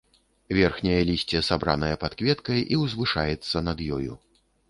Верхняе лісце сабранае пад кветкай і ўзвышаецца над ёю.